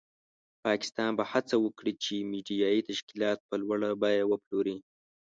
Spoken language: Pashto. پاکستان به هڅه وکړي چې میډیایي تشکیلات په لوړه بیه وپلوري.